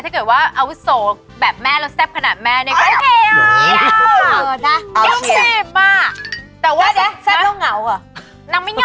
ถ้าเกิดว่าอาวุโสแบบแม่แล้วแซ่บขนาดแม่เนี่ย